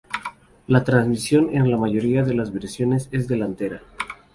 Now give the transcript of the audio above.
La transmisión en la mayoría de las versiones es delantera.